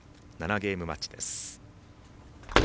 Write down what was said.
ゲームマッチです。